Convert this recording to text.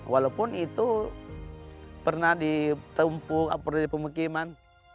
walaupun itu pernah ditempuh apalagi di pemukiman